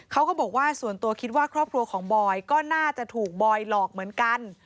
เขาก็บอกว่าส่วนตัวคิดว่าครอบครัวของบอยก็น่าจะถูกบอยหลอกเหมือนกัน